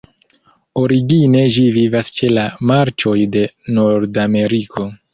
Origine ĝi vivas ĉe la marĉoj de Nordameriko.